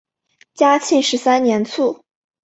嘉庆十三年卒。